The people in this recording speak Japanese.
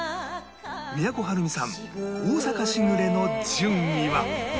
都はるみさん『大阪しぐれ』の順位は